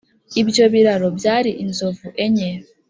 Ibyo biraro byari inzovu enye